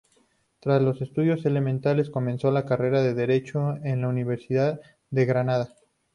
Tras los estudios elementales, comenzó la carrera de Derecho, en la Universidad de Granada.